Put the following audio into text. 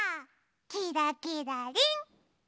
キラキラリン！